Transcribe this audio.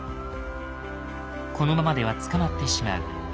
このままでは捕まってしまう。